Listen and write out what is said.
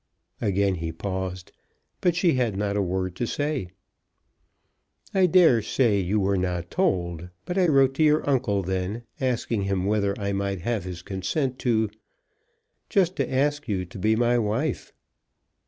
Again he paused, but she had not a word to say. "I dare say you were not told, but I wrote to your uncle then, asking him whether I might have his consent to, just to ask you to be my wife."